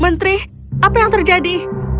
menteri apa yang terjadi